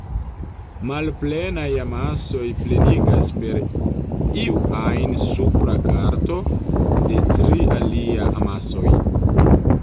Malplenaj amasoj plenigas per iu ajn supra karto de la tri alia amasoj.